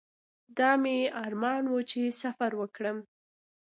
دا مې ارمان و چې سفر وکړم.